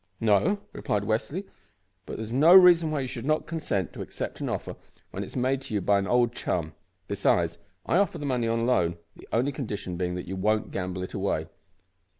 "No," replied Westly, "but there is no reason why you should not consent to accept an offer when it is made to you by an old chum. Besides, I offer the money on loan, the only condition being that you won't gamble it away."